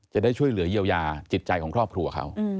จะได้ช่วยเหลือเยียวยาจิตใจของครอบครัวเขา